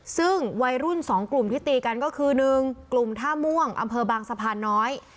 ซึ่งวัยรุ่น๒กลุ่มที่ตีกันก็คือ๑กลุ่มท่าม่วงอำเภอบางสะพานน้อย